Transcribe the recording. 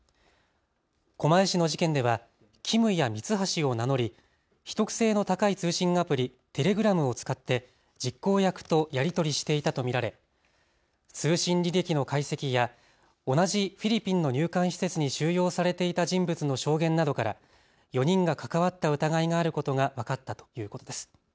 狛江市の事件ではキムやミツハシを名乗り秘匿性の高い通信アプリ、テレグラムを使って実行役とやり取りしていたと見られ通信履歴の解析や同じフィリピンの入管施設に収容されていた人物の証言などから４人が関わった疑いがあることが分かったということです。